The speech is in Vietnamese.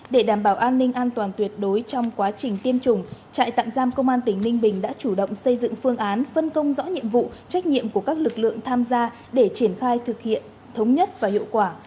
để đảm bảo an ninh an toàn tuyệt đối trong quá trình tiêm chủng trại tạm giam công an tỉnh ninh bình đã chủ động xây dựng phương án phân công rõ nhiệm vụ trách nhiệm của các lực lượng tham gia để triển khai thực hiện thống nhất và hiệu quả